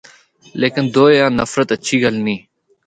لیکن دوہے آں نفرت اچھی گل نینھ۔